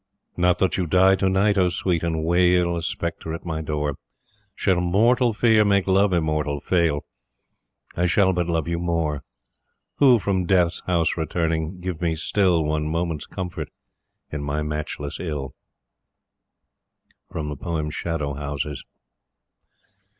Not though you die to night, O Sweet, and wail, A spectre at my door, Shall mortal Fear make Love immortal fail I shall but love you more, Who from Death's house returning, give me still One moment's comfort in my matchless ill. Shadow Houses.